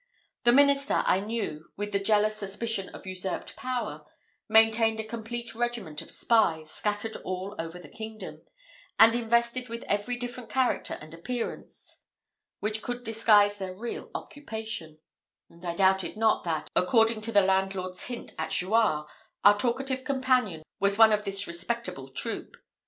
The minister, I knew, with the jealous suspicion of usurped power, maintained a complete regiment of spies, scattered all over the kingdom, and invested with every different character and appearance which could disguise their real occupation; and I doubted not that, according to the landlord's hint at Jouarre, our talkative companion was one of this respectable troop.